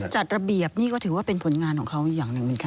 จัดระเบียบนี่ก็ถือว่าเป็นผลงานของเขาอีกอย่างหนึ่งเหมือนกัน